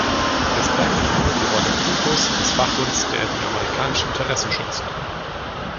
Es bleibt Ihnen nur die Rolle Plutos, des Wachhunds, der die amerikanischen Interessen schützt.